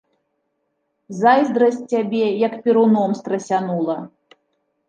Зайздрасць цябе як перуном страсянула.